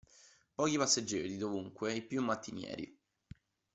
Pochi passeggeri dovunque, i più mattinieri.